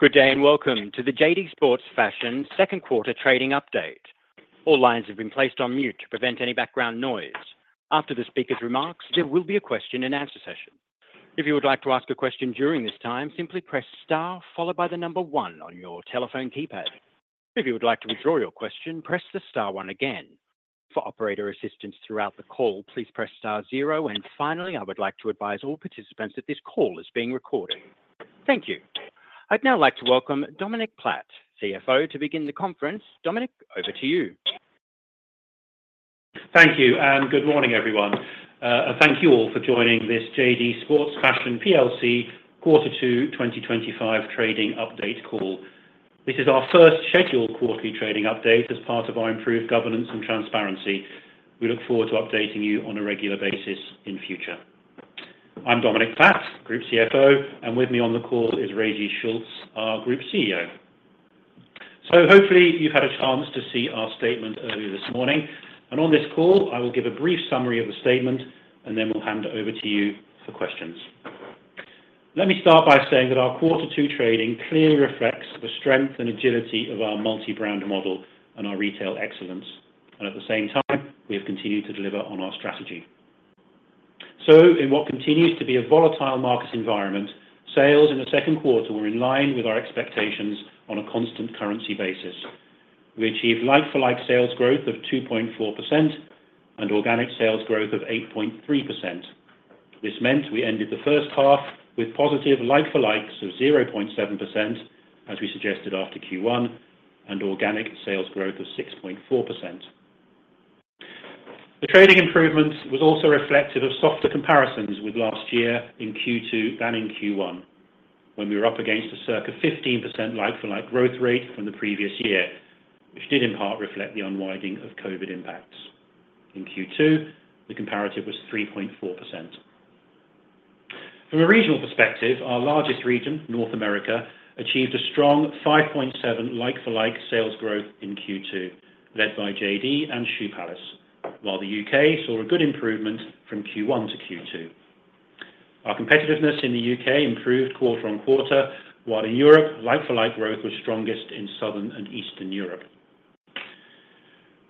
Good day, and welcome to the JD Sports Fashion second quarter trading update. All lines have been placed on mute to prevent any background noise. After the speaker's remarks, there will be a question and answer session. If you would like to ask a question during this time, simply press star followed by the number one on your telephone keypad. If you would like to withdraw your question, press the star one again. For operator assistance throughout the call, please press star zero, and finally, I would like to advise all participants that this call is being recorded. Thank you. I'd now like to welcome Dominic Platt, CFO, to begin the conference. Dominic, over to you. Thank you, and good morning, everyone. Thank you all for joining this JD Sports Fashion PLC Quarter two 2025 trading update call. This is our first scheduled quarterly trading update as part of our improved governance and transparency. We look forward to updating you on a regular basis in future. I'm Dominic Platt, Group CFO, and with me on the call is Régis Schultz, our Group CEO. So hopefully you've had a chance to see our statement earlier this morning, and on this call, I will give a brief summary of the statement, and then we'll hand it over to you for questions. Let me start by saying that our quarter two trading clearly reflects the strength and agility of our multi-brand model and our retail excellence, and at the same time, we have continued to deliver on our strategy. In what continues to be a volatile market environment, sales in the second quarter were in line with our expectations on a constant currency basis. We achieved like-for-like sales growth of 2.4% and organic sales growth of 8.3%. This meant we ended the first half with positive like-for-likes of 0.7%, as we suggested after Q1, and organic sales growth of 6.4%. The trading improvement was also reflective of softer comparisons with last year in Q2 than in Q1, when we were up against a circa 15% like-for-like growth rate from the previous year, which did in part reflect the unwinding of COVID impacts. In Q2, the comparative was 3.4%. From a regional perspective, our largest region, North America, achieved a strong 5.7 like-for-like sales growth in Q2, led by JD and Shoe Palace, while the U.K. saw a good improvement from Q1 to Q2. Our competitiveness in the U.K. improved quarter-on-quarter, while in Europe, like-for-like growth was strongest in Southern and Eastern Europe.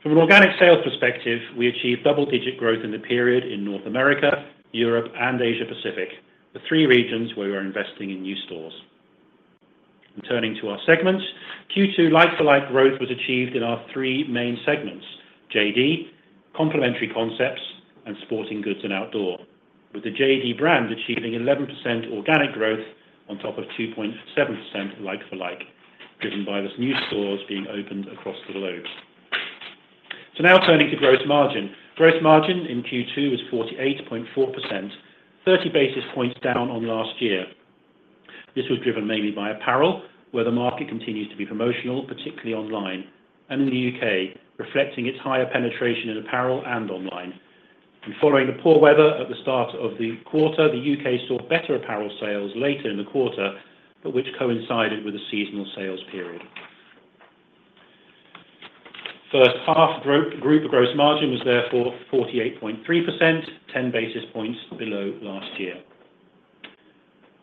From an organic sales perspective, we achieved double-digit growth in the period in North America, Europe and Asia Pacific, the three regions where we are investing in new stores. Turning to our segments, Q2 like-for-like growth was achieved in our three main segments: JD, Complementary Concepts, and Sporting Goods and Outdoor, with the JD brand achieving 11% organic growth on top of 2.7% like-for-like, driven by this new stores being opened across the globe. So now turning to gross margin. Gross margin in Q2 was 48.4%, 30 basis points down on last year. This was driven mainly by apparel, where the market continues to be promotional, particularly online and in the U.K., reflecting its higher penetration in apparel and online. Following the poor weather at the start of the quarter, the U.K. saw better apparel sales later in the quarter, but which coincided with the seasonal sales period. First half group gross margin was therefore 48.3%, 10 basis points below last year.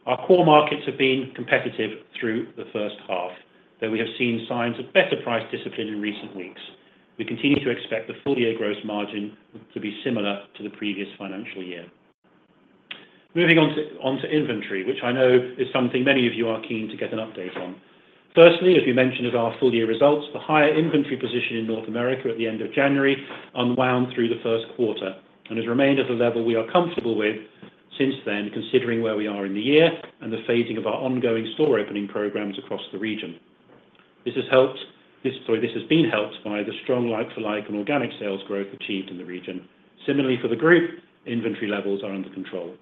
Our core markets have been competitive through the first half, though we have seen signs of better price discipline in recent weeks. We continue to expect the full year gross margin to be similar to the previous financial year. Moving on to inventory, which I know is something many of you are keen to get an update on. Firstly, as we mentioned at our full year results, the higher inventory position in North America at the end of January unwound through the first quarter and has remained at the level we are comfortable with since then, considering where we are in the year and the phasing of our ongoing store opening programs across the region. This has been helped by the strong like-for-like and organic sales growth achieved in the region. Similarly, for the group, inventory levels are under control.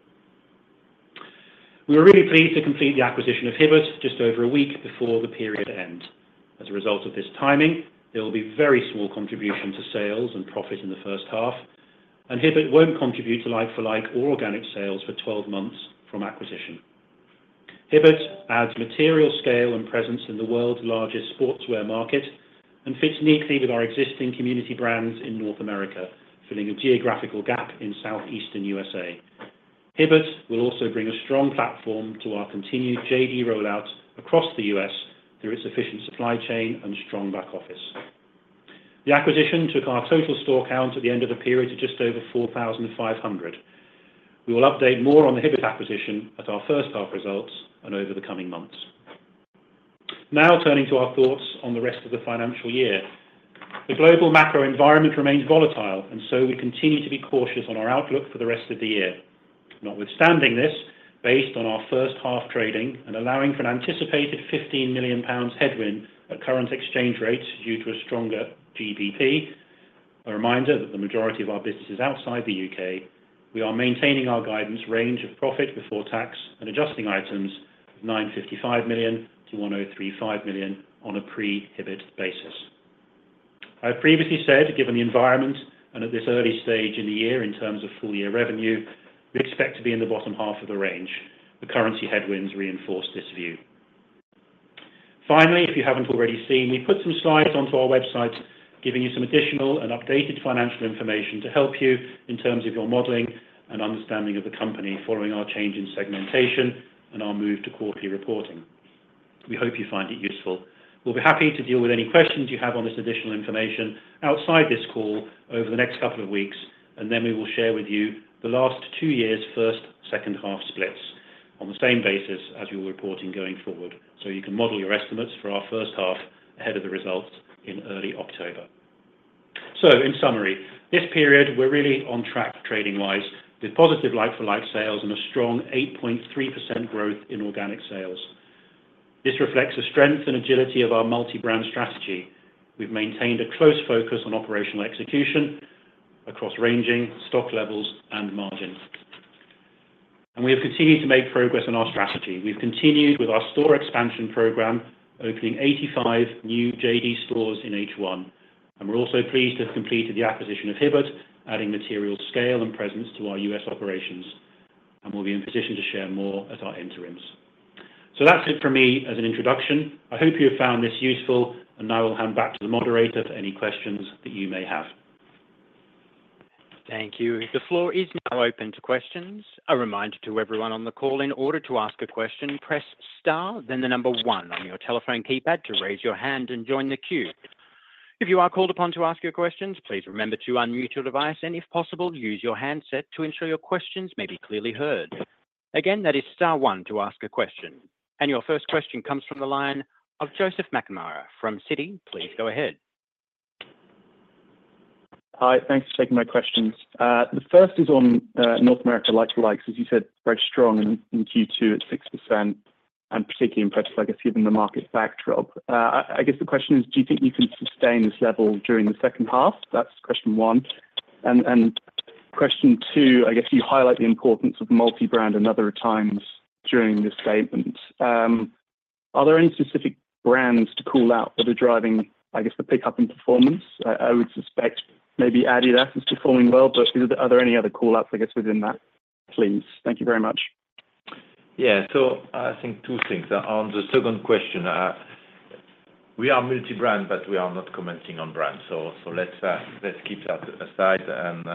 We were really pleased to complete the acquisition of Hibbett just over a week before the period end. As a result of this timing, there will be very small contribution to sales and profit in the first half, and Hibbett won't contribute to like-for-like or organic sales for 12 months from acquisition. Hibbett adds material scale and presence in the world's largest sportswear market and fits neatly with our existing community brands in North America, filling a geographical gap in Southeastern USA. Hibbett will also bring a strong platform to our continued JD rollout across the U.S. through its efficient supply chain and strong back office. The acquisition took our total store count at the end of the period to just over 4,500. We will update more on the Hibbett acquisition at our first half results and over the coming months. Now, turning to our thoughts on the rest of the financial year. The global macro environment remains volatile, and so we continue to be cautious on our outlook for the rest of the year. Notwithstanding this, based on our first half trading and allowing for an anticipated 15 million pounds headwind at current exchange rates due to a stronger GBP, a reminder that the majority of our business is outside the U.K., we are maintaining our guidance range of profit before tax and adjusting items of 955 million to 1,035 million on a pre-Hibbett basis. I previously said, given the environment and at this early stage in the year, in terms of full year revenue, we expect to be in the bottom half of the range. The currency headwinds reinforce this view. Finally, if you haven't already seen, we put some slides onto our website, giving you some additional and updated financial information to help you in terms of your modeling and understanding of the company following our change in segmentation and our move to quarterly reporting. We hope you find it useful. We'll be happy to deal with any questions you have on this additional information outside this call over the next couple of weeks, and then we will share with you the last two years' first, second half splits on the same basis as we were reporting going forward, so you can model your estimates for our first half ahead of the results in early October. So in summary, this period, we're really on track trading-wise, with positive like-for-like sales and a strong 8.3% growth in organic sales. This reflects the strength and agility of our multi-brand strategy. We've maintained a close focus on operational execution across ranging stock levels and margins. We have continued to make progress on our strategy. We've continued with our store expansion program, opening 85 new JD stores in H1, and we're also pleased to have completed the acquisition of Hibbett, adding material, scale, and presence to our U.S. operations, and we'll be in position to share more at our interims. So that's it for me as an introduction. I hope you have found this useful, and now I will hand back to the moderator for any questions that you may have. Thank you. The floor is now open to questions. A reminder to everyone on the call, in order to ask a question, press star, then the number one on your telephone keypad to raise your hand and join the queue. If you are called upon to ask your questions, please remember to unmute your device and, if possible, use your handset to ensure your questions may be clearly heard. Again, that is star one to ask a question. And your first question comes from the line of Joseph McNamara from Citi. Please go ahead. Hi, thanks for taking my questions. The first is on North America like-for-likes, as you said, very strong in Q2 at 6%, and particularly impressive, I guess, given the market backdrop. I guess the question is: Do you think you can sustain this level during the second half? That's question one. And question two, I guess you highlight the importance of multi-brand a number of times during the statement. Are there any specific brands to call out that are driving, I guess, the pickup in performance? I would suspect maybe Adidas is still faring well, but are there any other call outs, I guess, within that, please? Thank you very much. Yeah. So I think two things. On the second question, we are multi-brand, but we are not commenting on brands, so let's keep that aside, and...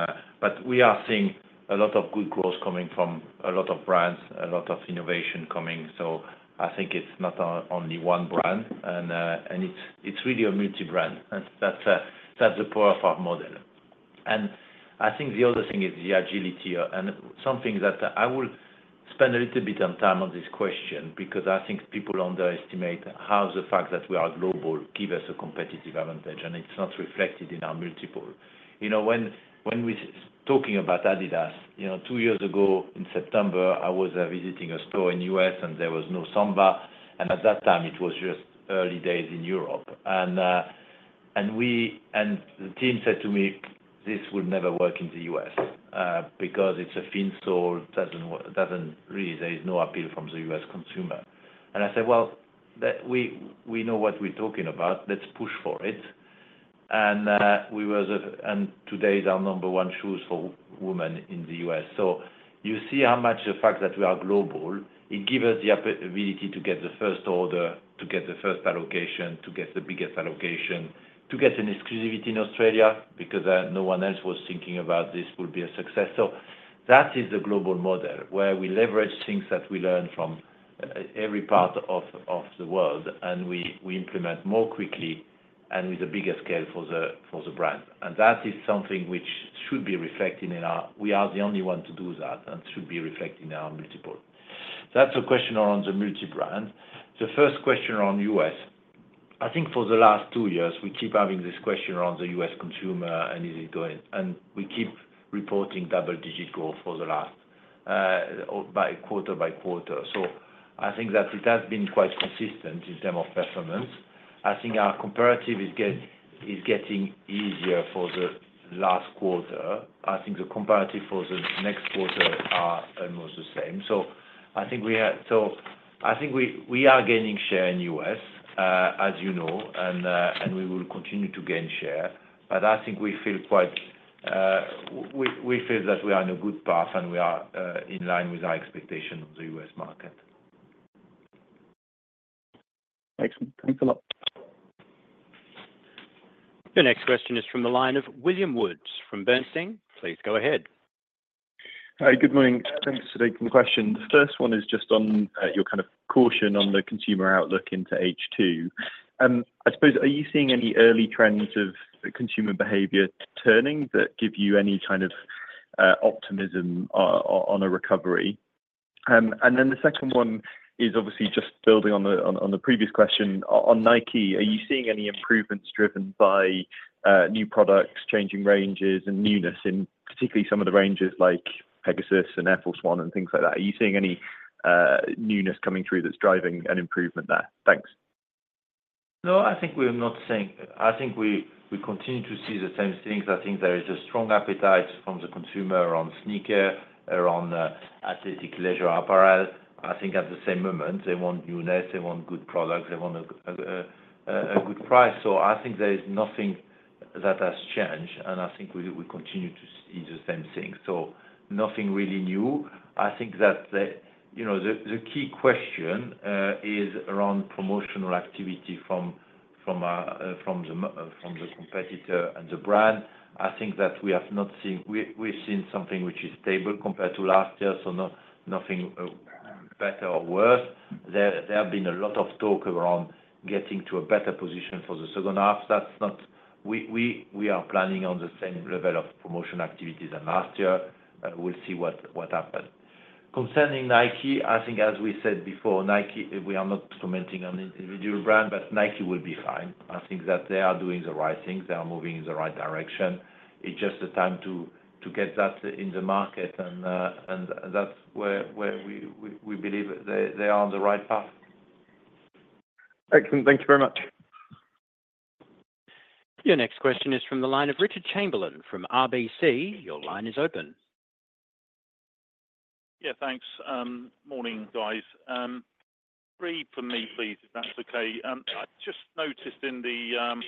But we are seeing a lot of good growth coming from a lot of brands, a lot of innovation coming. So I think it's not only one brand, and it's really a multi-brand, and that's the core of our model. I think the other thing is the agility, and something that I will spend a little bit on time on this question, because I think people underestimate how the fact that we are global give us a competitive advantage, and it's not reflected in our multiple. You know, when we talking about Adidas, you know, two years ago in September, I was visiting a store in U.S., and there was no Samba, and at that time, it was just early days in Europe. And the team said to me, "This would never work in the U.S., because it's a thin sole, doesn't really. There is no appeal from the U.S. consumer." And I said, "Well, we know what we're talking about, let's push for it." And we were the. And today is our number one shoes for women in the U.S. So you see how much the fact that we are global, it give us the opportunity to get the first order, to get the first allocation, to get the biggest allocation, to get an exclusivity in Australia, because no one else was thinking about this will be a success. So that is the global model, where we leverage things that we learn from every part of the world, and we implement more quickly and with a bigger scale for the brand. That is something which should be reflected in our... We are the only one to do that, and should be reflected in our multiple. That's a question on the multi-brand. The first question on U.S. I think for the last two years, we keep having this question around the U.S. consumer and is it going, and we keep reporting double-digit growth for the last, or by quarter-by-quarter. So I think that it has been quite consistent in term of performance. I think our comparative is getting easier for the last quarter. I think the comparative for the next quarter are almost the same. So I think we are gaining share in U.S., as you know, and we will continue to gain share, but I think we feel quite, we feel that we are in a good path, and we are in line with our expectation of the U.S. market. Excellent. Thanks a lot. The next question is from the line of William Woods, from Bernstein. Please go ahead. Hi, good morning. Thanks for taking the question. The first one is just on your kind of caution on the consumer outlook into H2. I suppose, are you seeing any early trends of consumer behavior turning that give you any kind of optimism on a recovery? And then the second one is obviously just building on the previous question on Nike. Are you seeing any improvements driven by new products, changing ranges and newness in particularly some of the ranges like Pegasus and Air Force 1 and things like that? Are you seeing any newness coming through that's driving an improvement there? Thanks. No, I think we are not saying. I think we continue to see the same things. I think there is a strong appetite from the consumer around sneaker, around athletic leisure apparel. I think at the same moment, they want newness, they want good products, they want a good, a good price. So I think there is nothing that has changed, and I think we continue to see the same thing. So nothing really new. I think that the, you know, the key question is around promotional activity from the competitor and the brand. I think that we have not seen. We have seen something which is stable compared to last year, so nothing better or worse. There have been a lot of talk around getting to a better position for the second half. That's not. We are planning on the same level of promotion activities than last year. We'll see what happen. Concerning Nike, I think as we said before, Nike, we are not commenting on the individual brand, but Nike will be fine. I think that they are doing the right thing, they are moving in the right direction. It's just the time to get that in the market and that's where we believe they are on the right path. Excellent. Thank you very much. Your next question is from the line of Richard Chamberlain from RBC. Your line is open. Yeah, thanks. Morning, guys. Three from me, please, if that's okay. I just noticed in the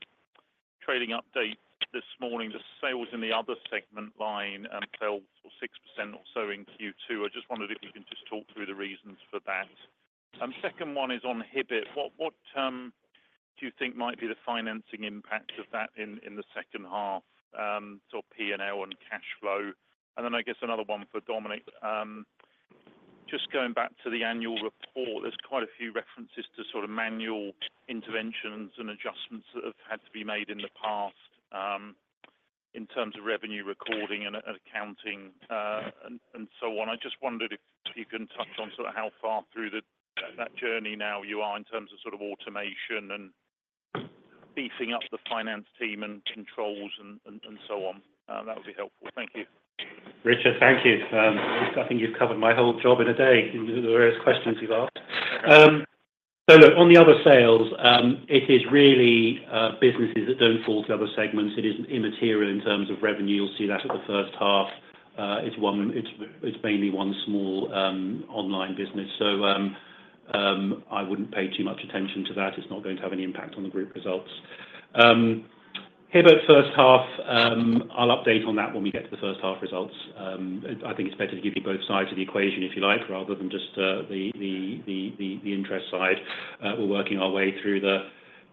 trading update this morning, the sales in the other segment line fell 6% or so in Q2. I just wondered if you can just talk through the reasons for that. Second one is on Hibbett. What, what do you think might be the financing impact of that in the second half, so P&L on cash flow? And then I guess another one for Dominic. Just going back to the annual report, there's quite a few references to sort of manual interventions and adjustments that have had to be made in the past, in terms of revenue recording and accounting, and so on. I just wondered if you can touch on sort of how far through the, that journey now you are, in terms of sort of automation and beefing up the finance team and controls and, and, and so on? That would be helpful. Thank you. Richard, thank you. I think you've covered my whole job in a day in the various questions you've asked. So look, on the other sales, it is really businesses that don't fall to other segments. It is immaterial in terms of revenue. You'll see that at the first half. It's mainly one small online business. So, I wouldn't pay too much attention to that. It's not going to have any impact on the group results. Hibbett first half, I'll update on that when we get to the first half results. I think it's better to give you both sides of the equation, if you like, rather than just the interest side. We're working our way through the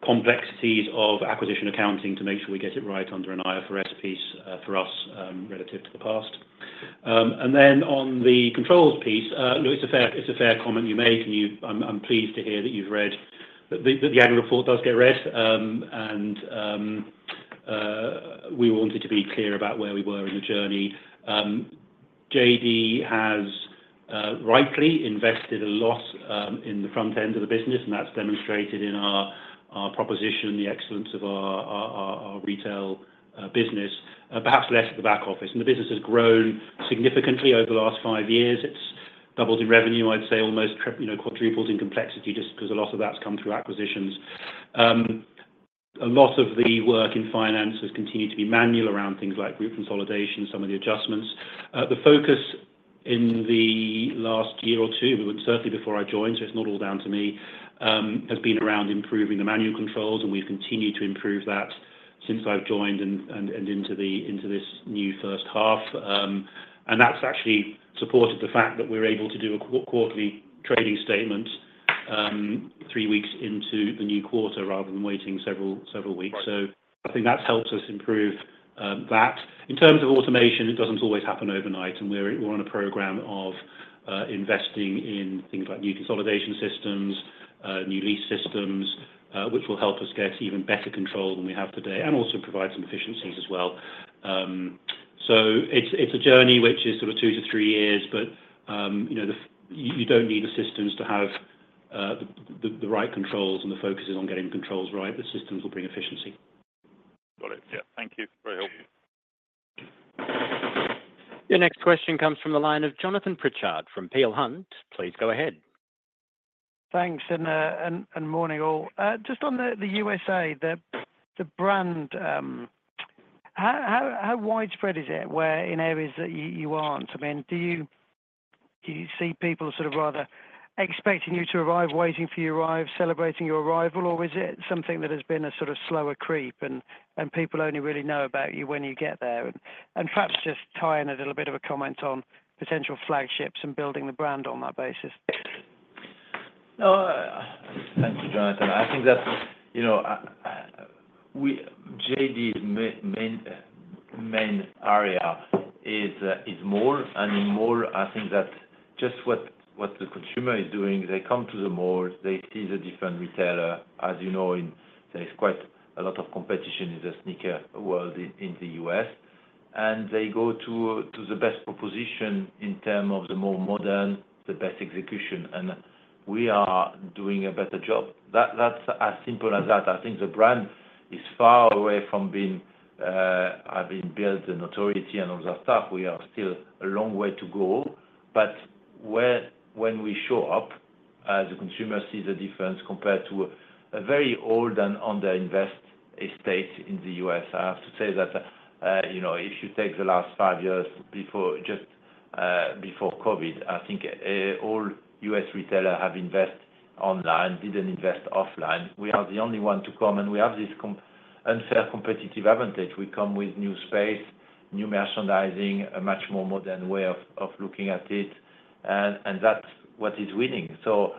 complexities of acquisition accounting to make sure we get it right under an IFRS piece, for us, relative to the past. And then on the controls piece, look, it's a fair comment you make, and you... I'm pleased to hear that you've read that the annual report does get read. We wanted to be clear about where we were in the journey. JD has rightly invested a lot in the front end of the business, and that's demonstrated in our proposition, the excellence of our retail business, perhaps less at the back office, and the business has grown significantly over the last five years. It's doubled in revenue, I'd say almost tripled, you know, quadrupled in complexity, just because a lot of that's come through acquisitions. A lot of the work in finance has continued to be manual around things like group consolidation, some of the adjustments. The focus in the last year or two, certainly before I joined, so it's not all down to me, has been around improving the manual controls, and we've continued to improve that since I've joined and into this new first half. That's actually supported the fact that we're able to do a quarterly trading statement, three weeks into the new quarter rather than waiting several weeks. So I think that's helped us improve that. In terms of automation, it doesn't always happen overnight, and we're on a program of investing in things like new consolidation systems, new lease systems, which will help us get even better control than we have today, and also provide some efficiencies as well. So it's a journey which is sort of two to three years, but you know, the... You don't need the systems to have the right controls and the focus is on getting the controls right. The systems will bring efficiency. Got it. Yeah. Thank you. Very helpful. Your next question comes from the line of Jonathan Pritchard from Peel Hunt. Please go ahead. Thanks, and morning, all. Just on the USA, the brand, how widespread is it where in areas that you aren't? I mean, do you see people sort of rather expecting you to arrive, waiting for you to arrive, celebrating your arrival? Or is it something that has been a sort of slower creep and people only really know about you when you get there? And perhaps just tie in a little bit of a comment on potential flagships and building the brand on that basis. Thank you, Jonathan. I think that, you know, we JD's main area is mall. In mall, I think that just what the consumer is doing, they come to the mall, they see the different retailer. As you know, there is quite a lot of competition in the sneaker world in the U.S., and they go to the best proposition in terms of the more modern, the best execution, and we are doing a better job. That's as simple as that. I think the brand is far away from being having built a notoriety and all that stuff. We are still a long way to go, but when we show up, the consumer see the difference compared to a very old and underinvested estate in the US. I have to say that, you know, if you take the last five years before COVID, I think all U.S. retailers have invested online, didn't invest offline. We are the only one to come, and we have this unfair competitive advantage. We come with new space, new merchandising, a much more modern way of looking at it, and that's what is winning. So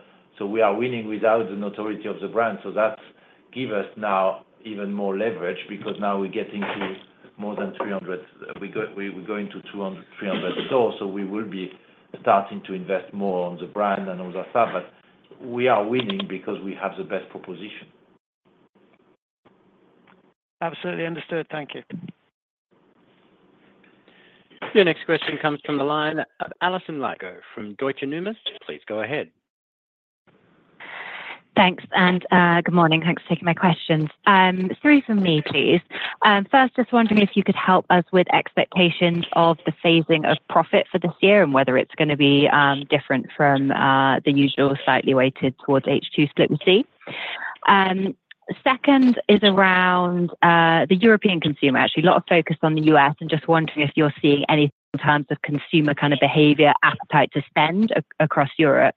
we are winning without the notoriety of the brand, so that give us now even more leverage because now we're getting to more than 300, we're going to 200-300 stores, so we will be starting to invest more on the brand and other stuff. But we are winning because we have the best proposition. Absolutely understood. Thank you. Your next question comes from the line of Alison Lygo from Deutsche Numis. Please go ahead. Thanks, and good morning. Thanks for taking my questions. Three from me, please. First, just wondering if you could help us with expectations of the phasing of profit for this year, and whether it's gonna be different from the usual, slightly weighted towards H2 split we see. Second is around the European consumer. Actually, a lot of focus on the U.S., and just wondering if you're seeing anything in terms of consumer kind of behavior, appetite to spend across Europe.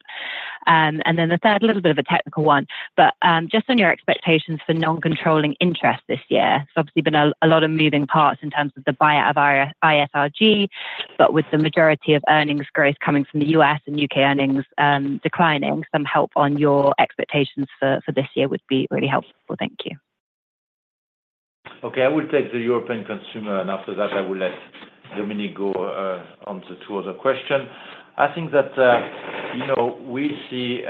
Then the third, a little bit of a technical one, but, just on your expectations for non-controlling interest this year, there's obviously been a, a lot of moving parts in terms of the buyer of ISRG, but with the majority of earnings growth coming from the U.S. and U.K. earnings declining, some help on your expectations for, for this year would be really helpful. Thank you. Okay, I will take the European consumer, and after that, I will let Dominic go on the two other question. I think that, you know, we see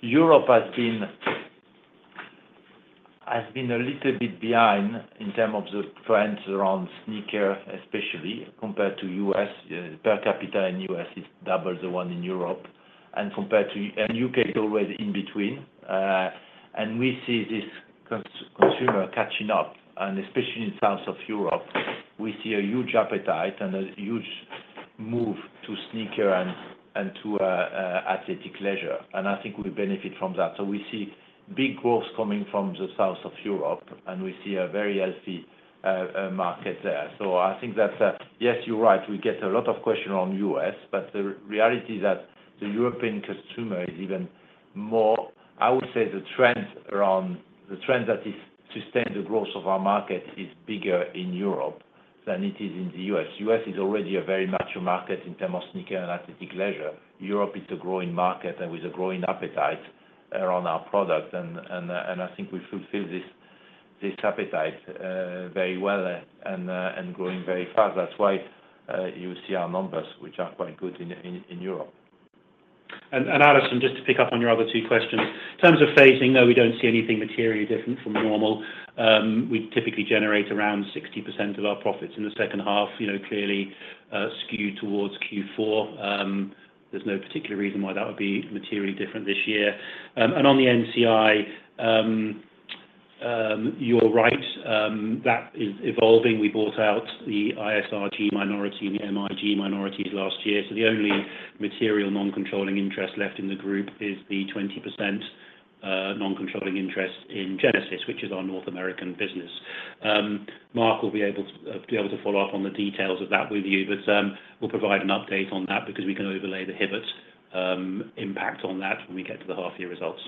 Europe has been a little bit behind in terms of the trends around sneaker, especially compared to U.S. Per capita in U.S. is double the one in Europe, and compared to... And U.K. is always in between. We see this consumer catching up, and especially in South of Europe, we see a huge appetite and a huge move to sneaker and to athleisure, and I think we benefit from that. So we see big growth coming from the South of Europe, and we see a very healthy market there. So I think that's. Yes, you're right, we get a lot of question on U.S., but the reality is that the European consumer is even more... I would say the trend that is sustained the growth of our market is bigger in Europe than it is in the U.S. U.S. is already a very mature market in terms of sneaker and athletic leisure. Europe is a growing market and with a growing appetite around our product, and I think we fulfill this appetite very well and growing very fast. That's why you see our numbers, which are quite good in Europe. Alison, just to pick up on your other two questions. In terms of phasing, no, we don't see anything materially different from normal. We typically generate around 60% of our profits in the second half, you know, clearly skewed towards Q4. There's no particular reason why that would be materially different this year. On the NCI, you're right. That is evolving. We bought out the ISRG minority and the MIG minorities last year, so the only material non-controlling interest left in the group is the 20% non-controlling interest in Genesis, which is our North American business. Mark will be able to follow up on the details of that with you, but we'll provide an update on that because we can overlay the Hibbett impact on that when we get to the half-year results.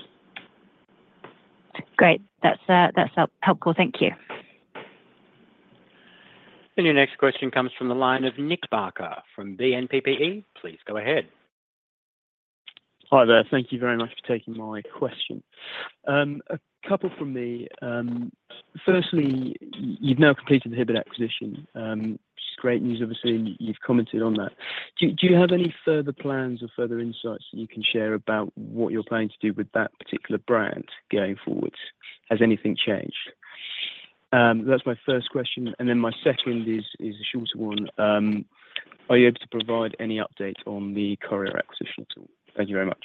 Great. That's, that's helpful. Thank you. Your next question comes from the line of Nick Barker from BNPPE. Please go ahead. Hi there. Thank you very much for taking my question. A couple from me. Firstly, you've now completed the Hibbett acquisition. It's great news, obviously, and you've commented on that. Do you have any further plans or further insights that you can share about what you're planning to do with that particular brand going forward? Has anything changed? That's my first question, and then my second is a shorter one. Are you able to provide any update on the Courir acquisition too? Thank you very much.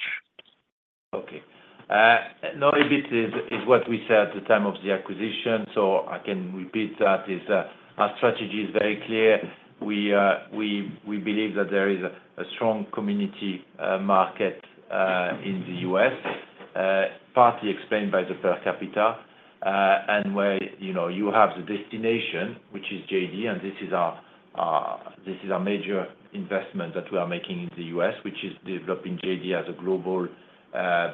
Okay. Now a bit is what we said at the time of the acquisition, so I can repeat that, is that our strategy is very clear. We believe that there is a strong community market in the U.S., partly explained by the per capita, and where, you know, you have the destination, which is JD, and this is our major investment that we are making in the U.S., which is developing JD as a global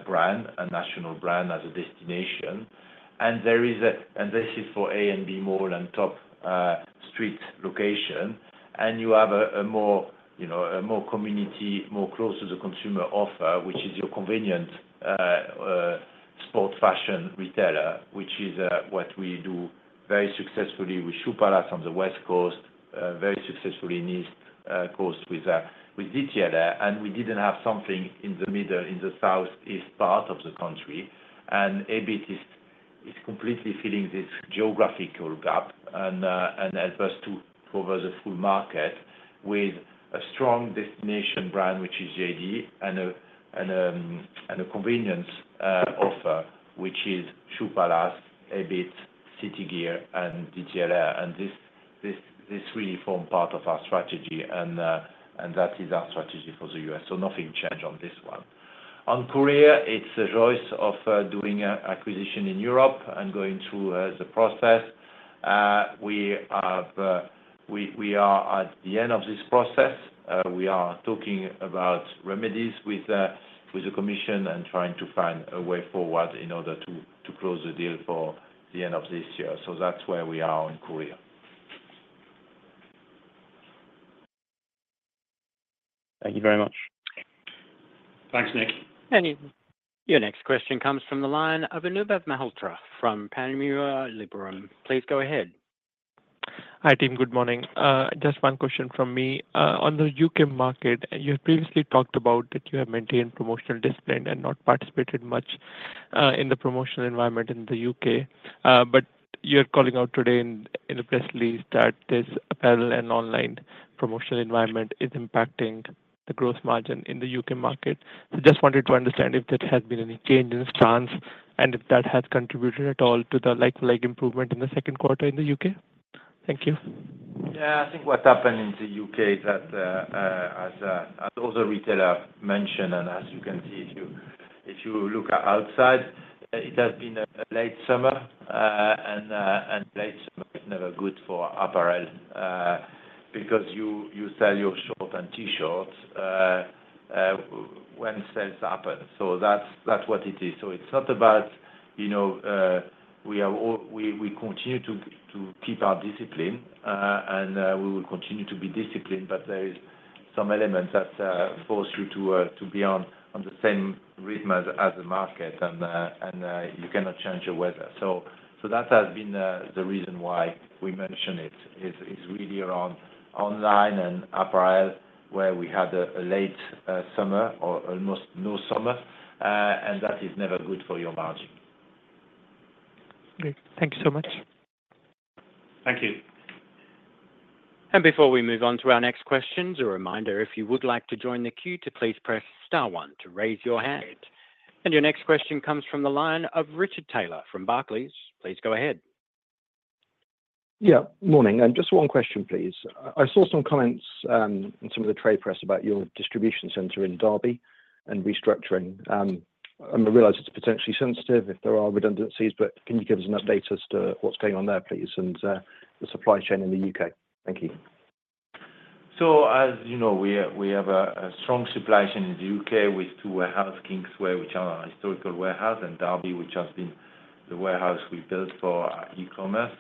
brand, a national brand as a destination. This is for A and B malls and top street location, and you have a more, you know, a more community, more closer to the consumer offer, which is your convenient sport fashion retailer, which is what we do very successfully with Shoe Palace on the West Coast, very successfully in the East Coast with DTLR, and we didn't have something in the middle, in the southeast part of the country. Hibbett is completely filling this geographical gap and help us to cover the full market with a strong destination brand, which is JD, and a convenience offer, which is Shoe Palace, Hibbett, City Gear, and DTLR. This really form part of our strategy, and that is our strategy for the U.S. So nothing change on this one. On Courir, it's a choice of doing a acquisition in Europe and going through the process. We have, we are at the end of this process. We are talking about remedies with the Commission and trying to find a way forward in order to close the deal for the end of this year. So that's where we are on Courir. Thank you very much. Thanks, Nick. Your next question comes from the line of Anubhav Malhotra from Panmure Liberum. Please go ahead. Hi, team. Good morning. Just one question from me. On the U.K. market, you previously talked about that you have maintained promotional discipline and not participated much in the promotional environment in the U.K., but you're calling out today in a press release that this apparel and online promotional environment is impacting the gross margin in the U.K. market, so just wanted to understand if there has been any change in this stance, and if that has contributed at all to the like-for-like improvement in the second quarter in the U.K.? Thank you. Yeah, I think what happened in the U.K. is that, as other retailer mentioned, and as you can see, if you look outside, it has been a late summer, and late summer is never good for apparel, because you sell your shorts and T-shirts, when sales happen. So that's what it is. So it's not about, you know, we are all. We continue to keep our discipline, and we will continue to be disciplined, but there is some elements that force you to be on the same rhythm as the market, and you cannot change the weather. So that has been the reason why we mention it. It's really around online and apparel, where we had a late summer or almost no summer, and that is never good for your margin. Great. Thank you so much. Thank you. Before we move on to our next questions, a reminder, if you would like to join the queue, to please press star one to raise your hand. And your next question comes from the line of Richard Taylor from Barclays. Please go ahead. Yeah, morning, and just one question, please. I saw some comments in some of the trade press about your distribution center in Derby and restructuring. I realize it's potentially sensitive if there are redundancies, but can you give us an update as to what's going on there, please, and the supply chain in the U.K.? Thank you. As you know, we have a strong supply chain in the U.K. with two warehouses, Kingsway, which are our historical warehouses, and Derby, which has been the warehouse we built for e-commerce.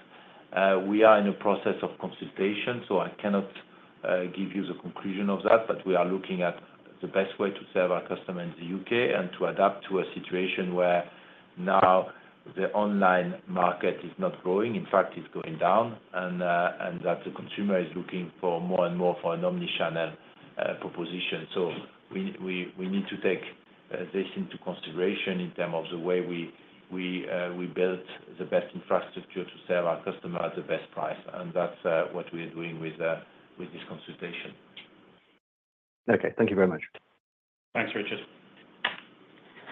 We are in a process of consultation, so I cannot give you the conclusion of that, but we are looking at the best way to serve our customer in the U.K. and to adapt to a situation where now the online market is not growing. In fact, it's going down, and that the consumer is looking for more and more for an omni-channel proposition. We need to take this into consideration in terms of the way we build the best infrastructure to serve our customer at the best price, and that's what we are doing with this consultation. Okay. Thank you very much. Thanks, Richard.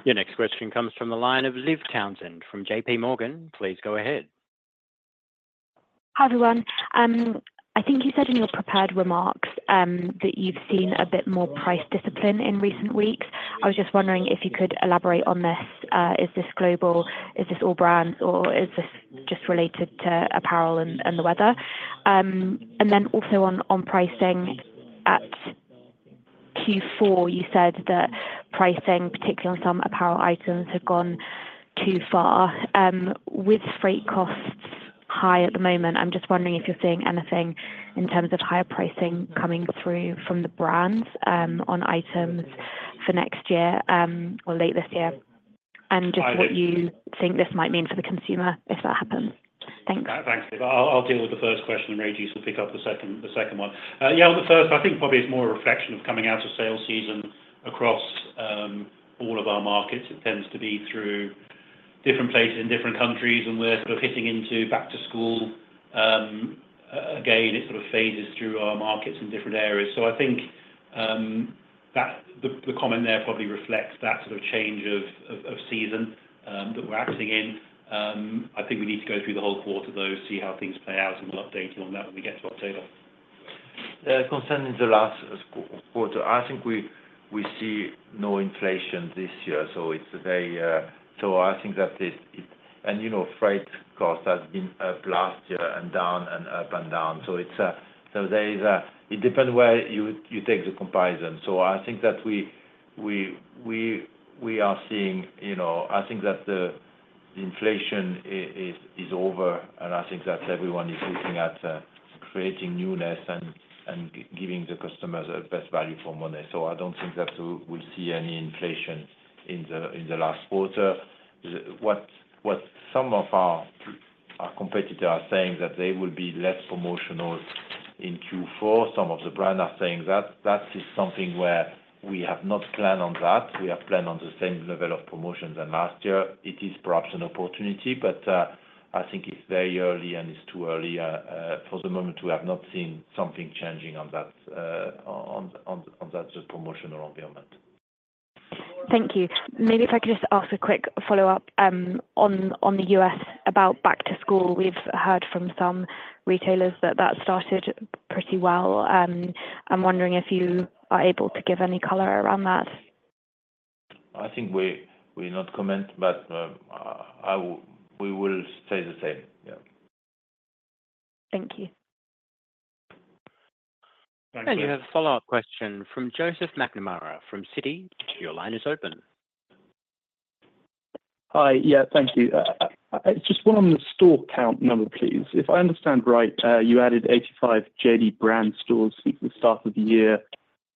Your next question comes from the line of Liv Townsend from JPMorgan. Please go ahead. Hi, everyone. I think you said in your prepared remarks that you've seen a bit more price discipline in recent weeks. I was just wondering if you could elaborate on this. Is this global? Is this all brands, or is this just related to apparel and the weather? And then also on pricing, at Q4, you said that pricing, particularly on some apparel items, had gone too far. With freight costs high at the moment, I'm just wondering if you're seeing anything in terms of higher pricing coming through from the brands on items for next year or late this year, and just what you think this might mean for the consumer if that happens? Thanks. Thanks, Liv. I'll deal with the first question, and Régis will pick up the second one. Yeah, on the first, I think probably it's more a reflection of coming out of sales season across all of our markets. It tends to be through different places in different countries, and we're sort of hitting into back to school. Again, it sort of phases through our markets in different areas. So I think that the comment there probably reflects that sort of change of season that we're acting in. I think we need to go through the whole quarter, though, see how things play out, and we'll update you on that when we get to October. Concerning the last quarter, I think we see no inflation this year, so it's very. So I think that is it and you know, freight cost has been up last year and down and up and down. So it's a, so there is a. It depends where you take the comparison. So I think that we are seeing, you know, I think that the inflation is over, and I think that everyone is looking at creating newness and giving the customers the best value for money. So I don't think that we'll see any inflation in the last quarter. What some of our competitors are saying, that they will be less promotional in Q4. Some of the brands are saying that. That is something where we have not planned on that. We have planned on the same level of promotions than last year. It is perhaps an opportunity, but I think it's very early and it's too early. For the moment, we have not seen something changing on that promotional environment. Thank you. Maybe if I could just ask a quick follow-up, on the U.S., about back to school. We've heard from some retailers that that started pretty well. I'm wondering if you are able to give any color around that? I think we will not comment, but we will stay the same. Yeah. Thank you, You have a follow-up question from Joseph McNamara from Citi. Your line is open. Hi. Yeah, thank you. Just one on the store count number, please. If I understand right, you added 85 JD brand stores since the start of the year,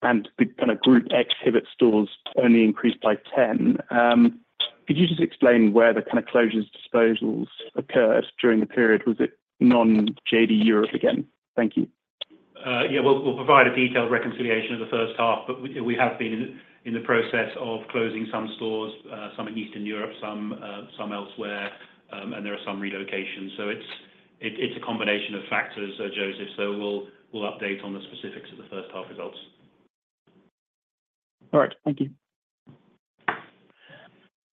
and the kind of group ex JD stores only increased by 10. Could you just explain where the kind of closures, disposals occurred during the period? Was it non-JD Europe again? Thank you. Yeah, we'll provide a detailed reconciliation of the first half, but we have been in the process of closing some stores, some in Eastern Europe, some elsewhere, and there are some relocations. So it's a combination of factors, Joseph, so we'll update on the specifics of the first half results. All right. Thank you.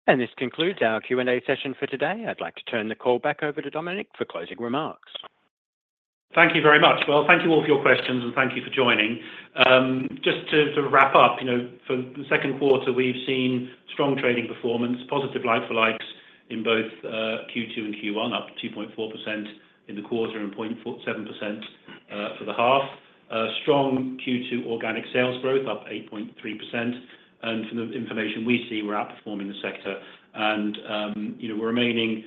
This concludes our Q&A session for today. I'd like to turn the call back over to Dominic for closing remarks. Thank you very much. Well, thank you all for your questions, and thank you for joining. Just to sort of wrap up, you know, for the second quarter, we've seen strong trading performance, positive like-for-likes in both Q2 and Q1, up 2.4% in the quarter and 0.47% for the half. Strong Q2 organic sales growth, up 8.3%, and from the information we see, we're outperforming the sector and, you know, we're remaining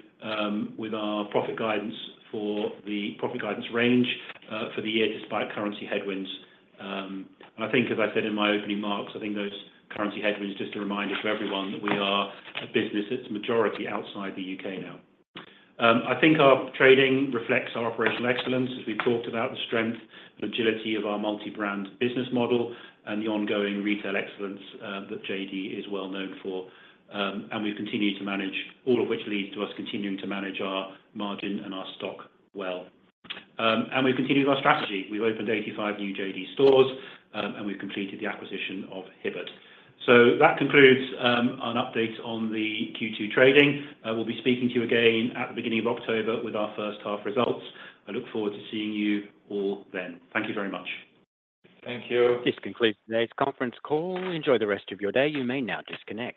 with our profit guidance for the profit guidance range for the year, despite currency headwinds, and I think as I said in my opening remarks, I think those currency headwinds just a reminder to everyone that we are a business that's majority outside the U.K. now. I think our trading reflects our operational excellence as we've talked about, the strength and agility of our multi-brand business model and the ongoing retail excellence, that JD is well known for. And we've continued to manage, all of which leads to us continuing to manage our margin and our stock well. We've continued with our strategy. We've opened 85 new JD stores, and we've completed the acquisition of Hibbett. So that concludes, an update on the Q2 trading. I will be speaking to you again at the beginning of October with our first half results. I look forward to seeing you all then. Thank you very much. Thank you. This concludes today's conference call. Enjoy the rest of your day. You may now disconnect.